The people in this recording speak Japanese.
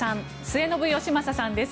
末延吉正さんです。